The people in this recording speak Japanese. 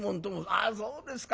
「ああそうですか。